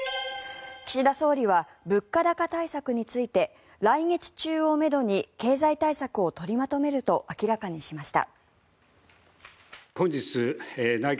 岸田総理は物価高対策について来月中をめどに経済対策を取りまとめると明らかにしました。